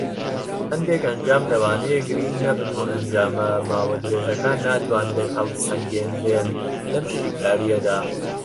هەندێک ئەنجام لەوانەیە گرینگ نەبن، و ئەنجامە ماوە درێژەکان ناتوانرێت هەڵبسەنگێندرێن لەم شیکاریەدا.